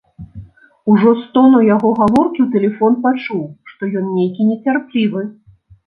Ужо з тону яго гаворкі ў тэлефон пачуў, што ён нейкі нецярплівы.